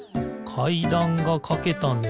かいだんがかけたね。